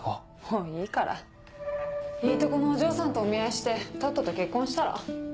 もういいからいいとこのお嬢さんとお見合いしてとっとと結婚したら？